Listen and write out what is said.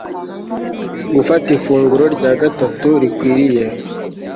gufata ifunguro rya gatatu rikwiriye